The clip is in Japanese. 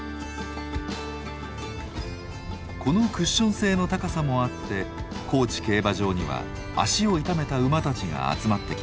このクッション性の高さもあって高知競馬場には脚を痛めた馬たちが集まってきます。